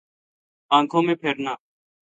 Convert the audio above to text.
آنکھوں میں پھرنا